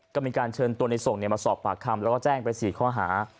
ก็มีการเชิญตัวในส่งมาสอบปากคำแล้วก็แจ้งไป๔ข้อหา